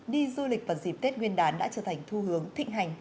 đi du lịch vào dịp tết nguyên đán đã trở thành thu hướng thịnh hành